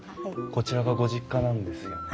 こちらがご実家なんですよね？